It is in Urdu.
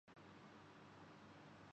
لیکن اس کوشش کے باعث فیکٹری اور میل